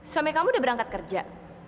suami kamu udah berangkat kerja